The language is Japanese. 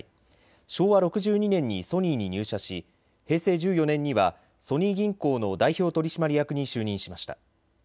昭和６２年にソニーに入社し平成１４年にはソニー銀行の代表取締役に就任しました。